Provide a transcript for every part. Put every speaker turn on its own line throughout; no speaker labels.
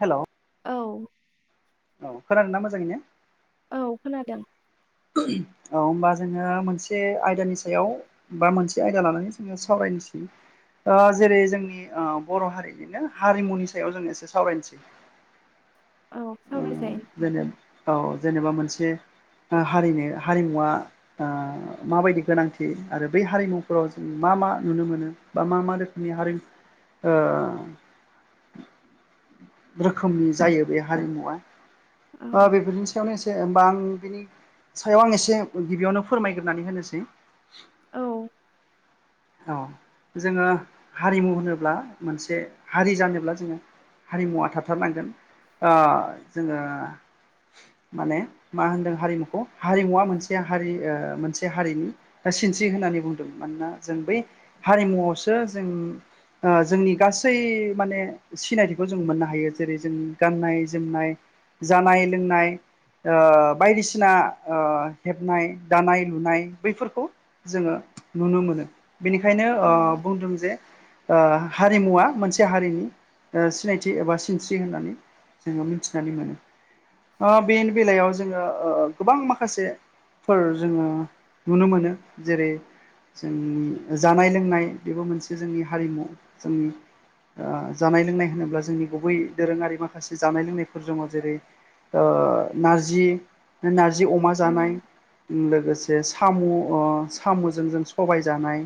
Hello
औ
औ फोरोनानोन ना मोजाङैनो
औ खोनादों
औ होमबा जोङो मोनसे आयदानि सायाव बा मोनसे आयदा लानानै जोङो सावरायनोसै ओ जेरै जोंनि बर' हारिनिनो हारिमुनि सायाव जों एसे सावरायनोसै
औ
ओ
सावरायजायो नोंथां
जेने औ जेनेबा मोनसे हारिनो हारिमुवा आ माबायदि गोनांथि आरो बै हारिमुफोराव जों मा मा नुनो मोनो बा मा मा रोखोमनि हारि ओ रोखोमनि जायो बे
औ
हारिमुवा बेफोरनि सायावनो ए होमबा आं बिनि सायाव आं एसे गिबियावनो फोरमायग्रोनानै होनोसै
औ
औ जोङो हारिमु होनोब्ला मोनसे हारि जानोब्ला जोङो हारिमुवा थाथारनांगोन जोङो माने मा होनदों हारिमुखौ हारिमुवा मोनसे हारि मोनसे हारिनि सिनस्रि होननानै बुंदों मानोना जों बै हारिमुआवसो जों ओ जोंनि गासै माने सिनायथिखौ जों मोननो हायो जेरै जों गाननाय जोमनाय जानाय लोंनाय बायदिसिना हेबनाय दानाय लुनाय बैफोरखौ जोङो नुनो मोनो बेनिखायनो
औ
बुंदों जे हारिमुवा मोनसे हारिनि सिनायथि एबा सिनस्रि होननानै जोङो मिथिनानै मोनो बेनि बेलायाव जोङो गोबां माखासे फोर जोङो नुनो मोनो जेरै जों जानाय लोंनाय बेबो मोनसे जोंनि हारिमु जोंनि ओ जानाय लोंनाय होनोब्ला जोंनि गुबै दोरोङारि माखासे जानाय लोंनायफोर दङ जेरै ओ नारजि नारजि अमा
औ
जानाय लोगोसे साम' साम'जों जों सबाय जानाय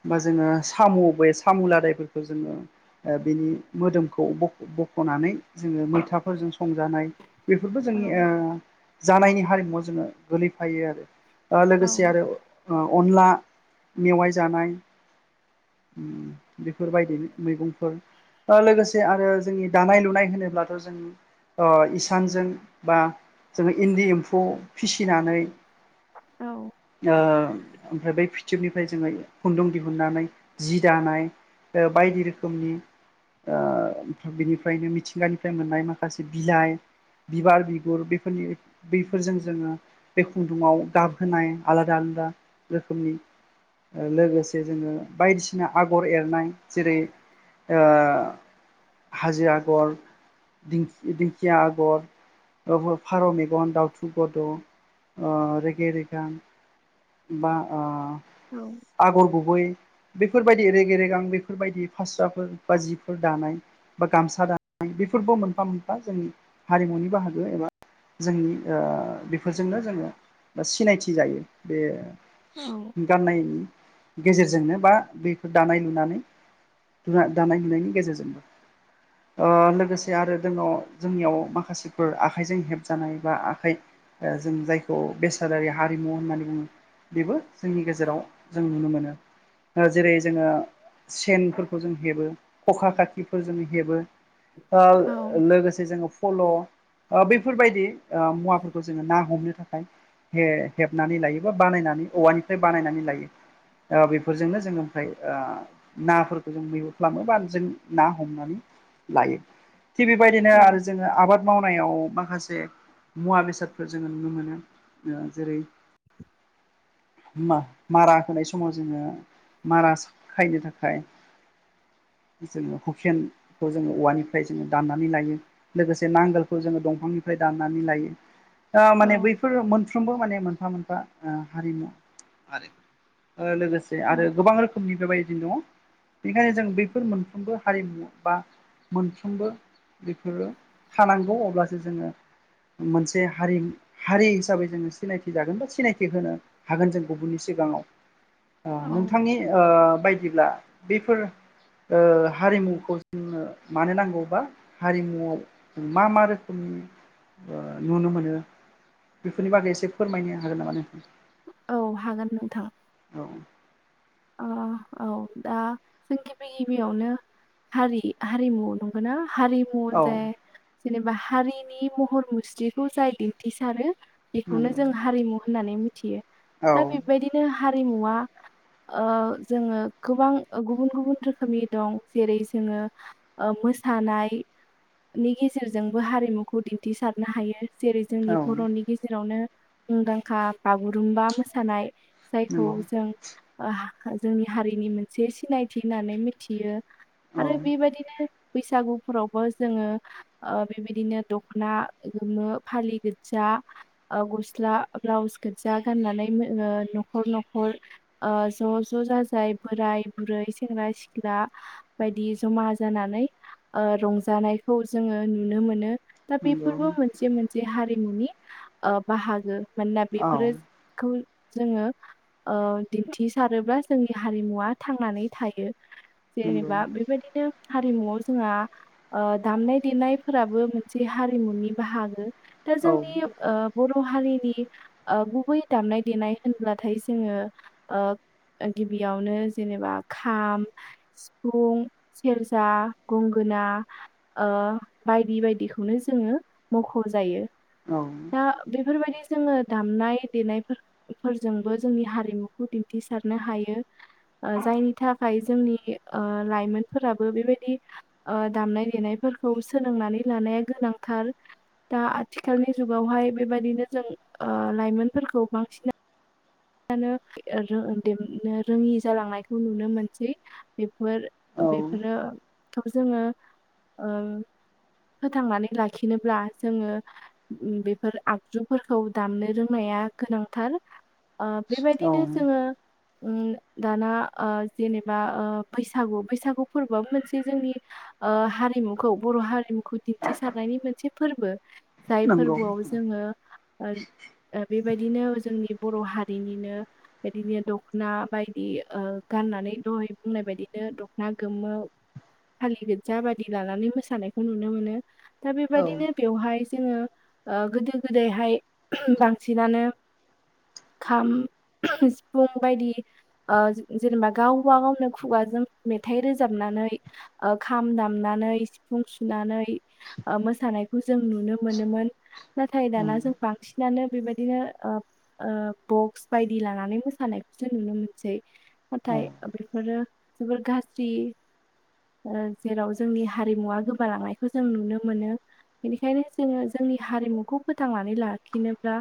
होमबा जोङो साम' बे साम' लादायफोरखौ जोङो बिनि मोदोमखौ बख'नानै जोङो मैथाफोरजों संजानाय बेफोरबो
औ
जोंनि जानायनि हारिमुवआव जोङो गोलैफायो आरो
औ
लोगोसे आरो अनला मेवाइ जानाय बेफोरबायदि मैगंफोर लोगोसे आरो जोंनि दानाय लुनाय होनोब्लाथ' जों ओ इसानजों बा जोङो इन्दि एम्फौ फिसिनानै
औ
ओमफ्राय बै फिथोबनि ओमफ्राय जोङो खुन्दुं दिहुननानै जि दानाय बायदि रोखोमनि बिनिफ्रायनो मिथिंगानिफ्राय मोननाय माखासे बिलाइ बिबार बिगुर बेफोरनि बैफोरजों जोङो बे खुन्दुङाव गाबहोनाय आलादा आलादा रोखोमनि लोगोसे जोङो बायदिसिना आगर एरनाय जेरै आ हाजो आगर दिं दिंखिया आगर फारौ मेगन दाउथु गद' रेगे रेगां बा ओ
औ
आगर गुबै बेफोरबायदि रेगे रेग आां बेफोरबायदि फासुव्राफोर बा जिफोर दानाय बा गामसा दानाय बेफोरबो मोनफा मोनफा जोंनि हारिमुनि बाहागो एबा जोंनि बेफोरजोंनो जोङो बा सिनायथि जायो बे
औ
गाननाय गेजेरजोंनो बा बेखौ दानाय लुनानै दानाय लुनायनि गेजेरजोंबो [inaudible] ओ लोगोसे आरो जोंङाव जोंनियाव माखासेफोर आखाइजों हेब जानाय बा आखाइ जों जायखौ बेसादारि हारिमु होननानै बुङो बेबो जोंनि गेजेराव जों नुनो मोनो जेरै जोङो सेनफोरखौ जों हेबो खखा काखिफोरजों हेबो लोगोसे जोङो फल' बैफोरबायदि अ मुवाफोरखौ जोङो ना हमनो थाखाय हेबनानै लायो बा बानायनानै औवानिफ्राय बानायनानै लायो ओ बेफोरजोंनो जोङो ओमफ्राय ओ नाफोरखौ जों मैहुर खालामो बा जों ना हमनानै लायो थिग बेबायदिनो आरो जोङो आबाद मावनायाव माखासे से मुवा बेसादफोर जोङो नुनो मोनो जेरै मा मारा होनाय समाव जोङो मारा समाव खायनो थाखाय जोङो हुकेनखौ जोङो औवानिफ्राय जोङो दाननानै लायो लोगोसे नांगोलखौ जोङो दंफांनिफ्राय दाननानै लायो माने बै बेफोरो मोनफ्रोमबो माने मोनफा मोनफा हारिमु लोगोसे
औ
आरो
औ
गोबां रोखोमनि बेबायदि दङ बेनिखायनो जों बैफोर मोनफ्रोमबो हारिमु बा मोनफ्रोमबो बेफोरो थानांगौ अब्लासो जोङो मोनसे हारिमु हारि हिसाबै जोङो सिनायथि जागोन बा सिनायथि होनो हागोन जों गुबुननि सिगाङाव ओ
औ
नोंथांनि ओ बायदिब्ला बेफोर ओ हारिमुखौ जोनो मानो नांगौबा हारिमुआव मा मा रोखोमनि नुनो मोनो बेफोरनि बागै एसे फोरमायनो हागोन नामा नों
औ हागोन नोंथां
औ
अ
[inaudible]
औ दा जों गिबि गिबियावनो हारि हारिमु नंगौ ना हारि
औ
जाय जेनेबा हारिनि महर मुस्रिखौ जाय दिन्थिसारो बेखौनो
नंगौ
जों हारिमु होननानै मिथियो
औ
दा बेबायदिनो हारिमुवा ओ जोङो गोबां गुबुन गुबुन रोखोमनि दं जेरै जोङो मोसानायनि गेजेरजोंबो हारिमुखौ दिन्थिसारनो हायो जेरै
औ
जोंनि बर'नि गेजेरावनो मुंदांखा बागुरुमबा मोसानाय जायखौ
नंगौ
जों जोंनि हारिनि मोनसे सिनायथि होननानै मिथियो
औ
आरो बेबायदिनो बैसागुफोरावबो जोङो ओ बेबायदिनो दखना गोमो फालि गोदजा ओ गस्ला ब्लाउस गोदजा गाननानै न'खर न'खर ओ ज' ज' जाजाय बोराय बुरै सेंग्रा सिख्ला बायदि जमा जानानै ओ रंजानायखौ जोङो नुनो मोनो दा
नंगौ
बेफोरबो मोनसे मोनसे हारिमुनि ओ बाहागो मानोना
औ
बेफोरो खौ जोङो दिन्थिसारोब्ला जोंनि हारिमुवा थांनानै थायो
नंगौ
जेनेबा बेबायदिनो हारिमुआव जोंहा ओ दामनाय देनायफोराबो मोनसे हारिमुनि बाहागो दा
औ
जोंनि ओ बर' हारिनि गुबै दामनाय देनाय होनब्लाथाय जोङो ओ गिबियावनो जेनेबा खाम सिफुं सेरजा गंगोना ओ बायदि बायदिखौनो जोङो मख'जायो
औ
दा बेफोरबायदि जोङो दामनाय देनाय फोरजोंबो जोंनि हारिमु खौ दिन्थिसारनो हायो ओ जायनि थाखाय जोंनि लाइमोनफोराबो बेबायदि ओ दामनाय देनायफोरखौ सोलोंनानै लानाया गोनांथार दा आथिखालनि जुगावहाय बेबायदिनो जों ओ लाइमोनफोरखौ बांसिन नो रोङि जालांनायखौ नुनो मोनसै बेफोर
औ
बेफोरखौ जोङो ओ फोथांनानै लाखिनोब्ला जोङो बेफोर आगजुफोरखौ दामनो रोंनाया गोनांथार
औ
बेबायदिनो जोङो दाना जेनेबा बैसागु बैसागु फोरबोआो मोनसे जोंनि हारिमुखौ बर' हारिमुखौ दिन्थिसारनायनि मोनसे फोरबो जाय
नंगौ
फोरबोआव जोङो बेबायदिनो जोंनि बर' हारि बिनिनो बिदिनो दखना बायदि ओ गाननानै दहै बुंनाय बायदिनो दख'ना गोमो फालि गोदजा बादि लानानै मोसानायखौ नुनो मोनो दा
औ
बेबायदिनो बेवहाय जोङो ओ गोदो गोदायहाय बांसिनानो ओं खाम सिफुं बायदि जेनेबा गावबा गावनो खुगाजों मेथाइ रोजाबनानै खाम दामनानै सिफुं सुनानै मोसानायखौ जों नुनो मोनोमोन नाथाय
औ
दाना जों बांसिनानो बेबायदिनो बक्स बायदि लानानै मोसानायखौसो नुनो मोनसै नाथाय बेफोरो जोबोर गाज्रि जेराव जोंनि हारिमुवा गोबालांनायखौ जों नुनो मोनो बेनिखायनो जोङो जोंनि हारिमुखौ फोथांनानै लाखिनोब्ला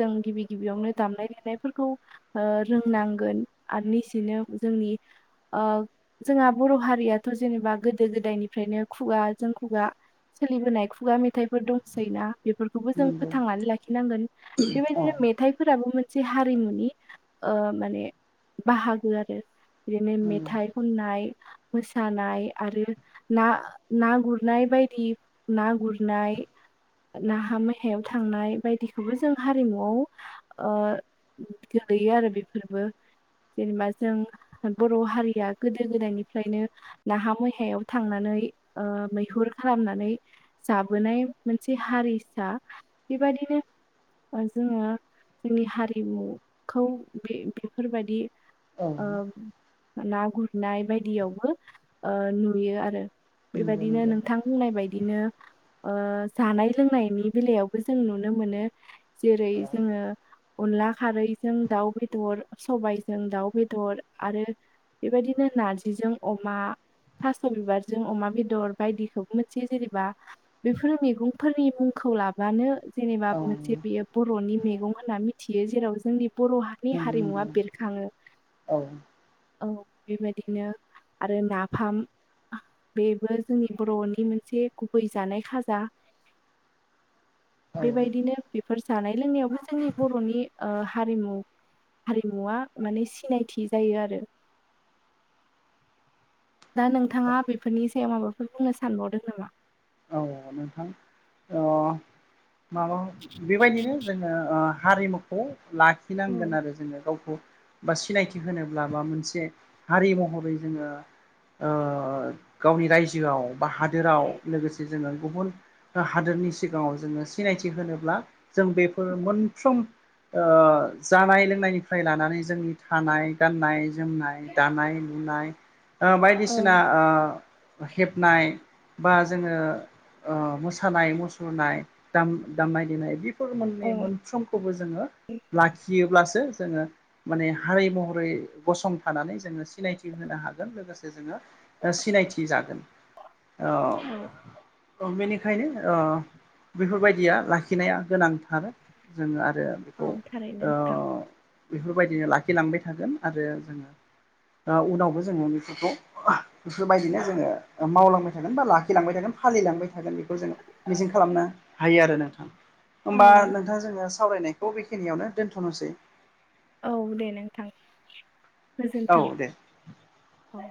जों गिबि गिबियावनो दामनाय देनायफोरखौ रोंनांगोन आर निसियनो जोंनि जोंहा बर' हारियाथ' जेनेबा गोदो गोदायनिफ्रायनो खुगा जों खुगा सोलिबोनाय खुगा मेथाइफोर दंसै ना बे खौबो जों
नंगौ
फोथांनानै लाखिनांगोन
औ नंगौ
बेबायदिनो मेथाइ फोराबो मोनसे हारिमुनि माने बाहागो आरो बिदिनो मेथाइ खननाय मोसानाय आरो ना ना गुरनाय बायदि ना गुरनाय नाहा मेहायाव थांनाय बायदिखौबो जों हारिमुआव गोलैयो आरो बेफोरबो जेनेबा जों बर' हारिया गोदो गोदायनिफ्रायनो नाहा मैहायाव थांनानै मैहुर खालामनानै जाबोनाय मोनसे हारिसा बेबायदिनो जोङो जोंनि हारिमुखौ बे बेफोरबायदि
औ
ना गुरनाय बायदियावबो नुयो आरो
नंगौ
बेबायदिनो
नंगौ
नोंथां बुंनाय बायदिनो जानाय लोंनायनि बेलायावबो जों नुनो मोनो जेरै
औ
जोङो अनला खारैजों दाउ बेदर सबायाइजों दाउ बेदर आरो बेबायदिनो नारजिजों अमा थास' बिबारजों अमा बेदर बायदिखौबो मोनसे जेनेबा बेफोर मैगंफोरनि मुंखौ लाबानो जेनेबा
औ
मोनसे बेयो बर'नि मैगं होनना मिथियो जेराव जोंनि बर' हारि नि
नंगौ नंगौ
हारिमुवा बेरखाङो
औ
औ बेबायदिनो आरो नाफाम बेबो जोंनि बर'नि मोनसे गुबै जानाय खाजा
[inaudible] औ
बेबायदिनो बेफोर जानाय लोंनायावबो जोंनि बर'नि हारिमु हारिमुवा माने सिनायथि जायो आरो। दा नोंथाङा बेफोरनि सायाव माबाफोर बुंनो सानबावदों नामा?
औ औ नोंथां। माबा बेबायदिनो जोङो हारिमु खौ
औ
लाखिनांगोन आरो जोङो गावखौ। बा सिनायथि होनोब्ला बा मोनसे हारि महरै जोङो। गावनि रायजोआव बा हादोराव लोगोसे जोङो गुबुन। हादोरनि सिगाङाव जोङो सिनायथि होनोब्ला जों बेफोर मोनफ्रोम। जानाय लोंनायनिफ्राय लानानै जोंनि थानाय गाननाय-जोमनाय दानाय लुनाय
औ
बायदिसिना हेबनाय बा जोङो मोसानाय मुसुरनाय दामनाय देनाय बे फोर मोन
औ
मोनफ्रोमखौबो जोङो लाखियोब्लासो जोङो माने हारि महरै गसंथानानै जोङो सिनायथि होनो हागोन लोगोसे जोङो सिनायथि जागोन
औ
बेनिखायनो बेफोरबायदिया लाखिनाया गोनांथार जोङो आरो
औ
बेखौ
थारैनो नोंथां
बेफोरबायदिनो लाखिलांबाय थागोन आरो जोङो उनावबो जोङो उन्दैपुरखौ बिफोरबायदिनो जोङो मावलांबाय थागोन बा लाखिलांबाय थागोन फालिलांबाय थागोन बेखौ जोङ मिजिं खालामनो हायो आरो नोंथां
औ
होमबा नोंथाङा जोङो सावरायनायखौ बेखिनियावनो दोनथ'नोसै
औ दे नोंथां
औ
गोजोनथों
दे
औ।